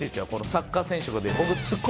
サッカー選手とかで。